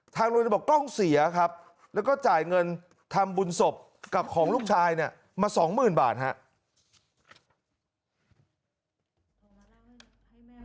โรงเรียนบอกกล้องเสียครับแล้วก็จ่ายเงินทำบุญศพกับของลูกชายเนี่ยมาสองหมื่นบาทครับ